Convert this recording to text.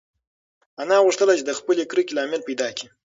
انا غوښتل چې د خپلې کرکې لامل پیدا کړي.